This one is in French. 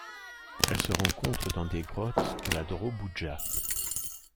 Elle se rencontre dans des grottes de la Dobroudja.